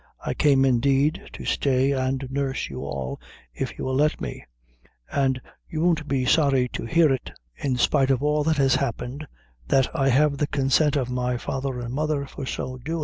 I came, indeed, to stay and nurse you all, if you will let me; an' you won't be sorry to hear it, in spite of all that has happened, that I have the consent of my father an' mother for so doin'."